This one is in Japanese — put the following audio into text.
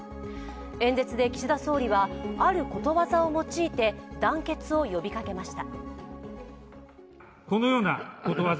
演説で岸田総理は、あることわざを用いて団結を呼びかけました。